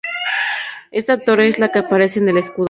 Ésta torre es la que aparece en el escudo.